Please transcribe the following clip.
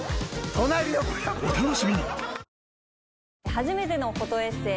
初めてのフォトエッセイ